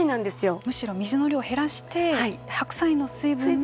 むしろ水の量を減らして白菜の水分で。